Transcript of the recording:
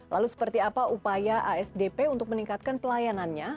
lalu seperti apa upaya asdp untuk meningkatkan pelayanannya